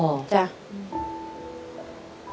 ส่วนพี่อ้ายก็สมองฝ่อ